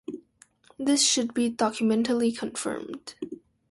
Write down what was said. This should be documentally confirmed.